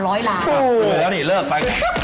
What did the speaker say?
แล้วนี่เลิกไป